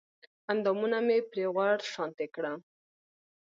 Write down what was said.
اندامونه مې پرې غوړ شانتې کړل